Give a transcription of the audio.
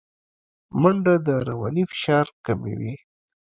منډه د رواني فشار کموي